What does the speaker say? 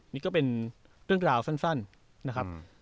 นี่ก็เป็นเรื่องราวสั้นนะครับ